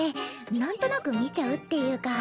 なんとなく見ちゃうっていうか。